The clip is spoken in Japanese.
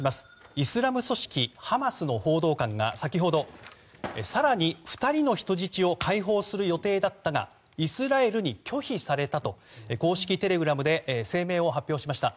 イスラム組織ハマスの報道官が先ほど更に２人の人質を解放する予定だったがイスラエルに拒否されたと公式テレグラムで声明を発表しました。